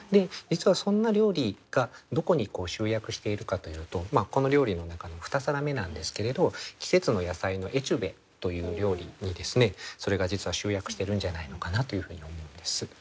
実はそんな料理がどこに集約しているかというとこの料理の中の２皿目なんですけれど「季節の野菜のエチュベ」という料理にそれが実は集約してるんじゃないのかなというふうに思うんです。